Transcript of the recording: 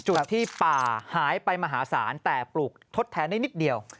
จุดที่ป่าหายไปมหาศาลแต่ปลูกทดแทนได้นิดเดียว